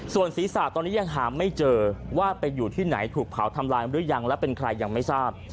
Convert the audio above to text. ส่วนศีรษะตอนนี้ยังหาไม่เจอว่าไปอยู่ที่ไหนถูกเผาทำลายหรือยังและเป็นใครยังไม่ทราบ